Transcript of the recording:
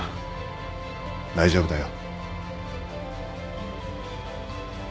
大丈夫だよ。